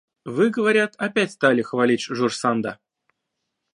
Вы, говорят, опять стали хвалить Жорж Санда.